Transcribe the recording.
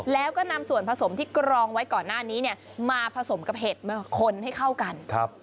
แล้วก็นำส่วนผสมที่กรองไว้ก่อนหน้านี้เนี่ยมาผสมกับเห็ดมาคนให้เข้ากัน